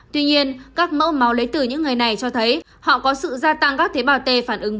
tuy nhiên các mẫu máu lấy từ những người này cho thấy họ có sự gia tăng các tế bào t phản ứng